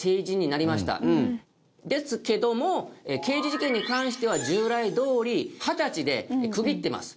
ですけども刑事事件に関しては従来どおり二十歳で区切ってます。